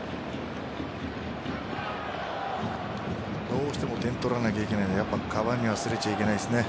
どうしても点を取らなきゃいけないときはカヴァーニ忘れちゃいけないですね。